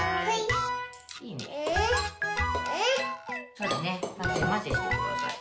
そうだねまぜまぜしてください。